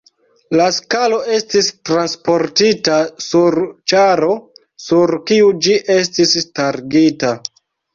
La skalo estis transportita sur ĉaro sur kiu ĝi estis starigita.